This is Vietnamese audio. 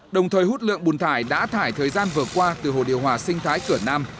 đồng thời hút lượng bùn thải đã thải thời gian vừa qua từ hồ điều hòa sinh thái cửa nam